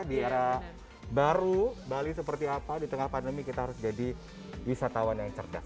di era baru bali seperti apa di tengah pandemi kita harus jadi wisatawan yang cerdas